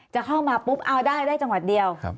จะเข้ามาปุ๊บเอาได้ได้จังหวัดเดียว